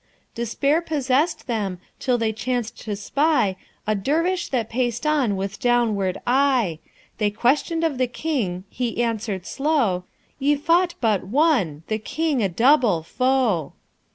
Despair possessed them, till they chanced to spy A Dervish that paced on with downward eye; They questioned of the King; he answer'd slow, 'Ye fought but one, the King a double, foe."'